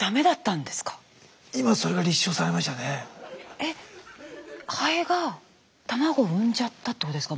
えっハエが卵を産んじゃったってことですか？